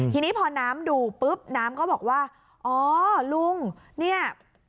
ทีนี้พอน้ำดูปุ๊บน้ำก็บอกว่าอ๋อลุงเนี่ย